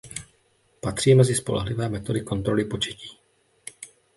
Patří mezi spolehlivé metody kontroly početí.